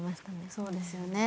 そうですよね。